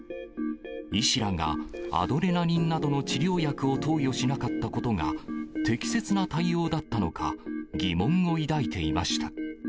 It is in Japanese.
医師らが、アドレナリンなどの治療薬を投与しなかったことが、適切な対応だったのか、疑問を抱いていました。